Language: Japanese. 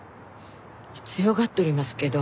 強がっとりますけど